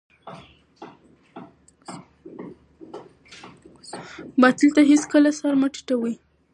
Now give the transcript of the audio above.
باطل ته هېڅکله سر مه ټیټوئ.